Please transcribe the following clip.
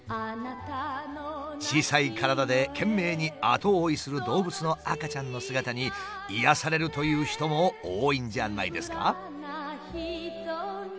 小さい体で懸命に後追いする動物の赤ちゃんの姿に癒やされるという人も多いんじゃないですか？